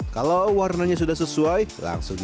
kalau warnanya sudah berubah kita bisa menggubahnya